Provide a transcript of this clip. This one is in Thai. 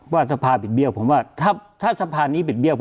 ว่าสภาปิดเบี้ยวผมว่าถ้าสภานี้ปิดเบี้ยว